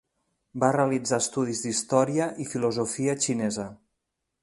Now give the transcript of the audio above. Va realitzar estudis d'història i filosofia xinesa.